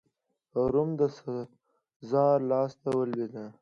روم د سزار لاسته ولوېد.